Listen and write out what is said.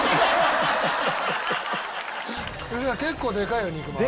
良純さん結構でかいよ肉まん。